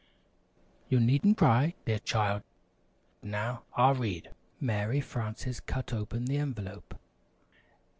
You needn't cry, dear child! Now, I'll read." Mary Frances cut open the envelope.